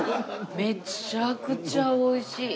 めちゃくちゃ美味しい。